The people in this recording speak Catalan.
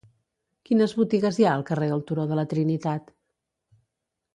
Quines botigues hi ha al carrer del Turó de la Trinitat?